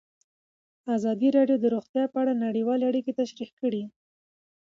ازادي راډیو د روغتیا په اړه نړیوالې اړیکې تشریح کړي.